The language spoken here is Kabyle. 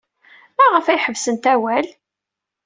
Maɣef ay ḥebsent awal?